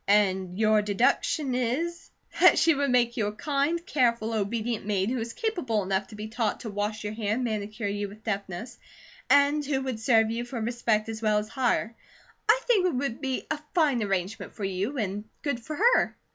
"And your deduction is " "That she would make you a kind, careful, obedient maid, who is capable enough to be taught to wash your hair and manicure you with deftness, and who would serve you for respect as well as hire. I think it would be a fine arrangement for you and good for her."